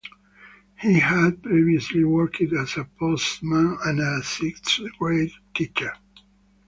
He had previously worked as a postman and a sixth-grade teacher.